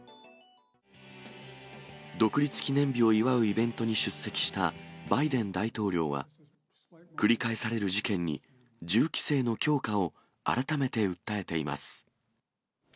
独立記念日を祝うイベントに出席したバイデン大統領は、繰り返される事件に、銃規制の強化を改めて訴えています。